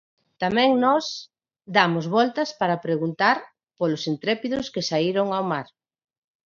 Tamén nós damos voltas para preguntar polos intrépidos que saíron ao mar.